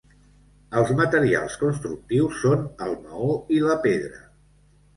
Els materials constructius són el maó i la pedra.